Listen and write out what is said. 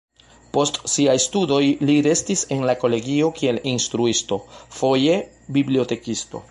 Post siaj studoj li restis en la kolegio kiel instruisto, foje bibliotekisto.